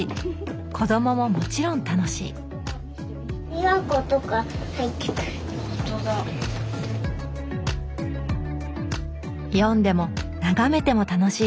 子どもももちろん楽しい読んでも眺めても楽しい絵本。